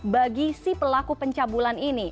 bagi si pelaku pencabulan ini